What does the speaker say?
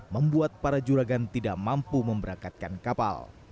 membuat para juragan tidak mampu memberangkatkan kapal